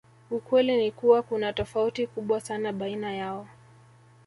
Ukweli ni kuwa kuna tofauti kubwa sana baina yao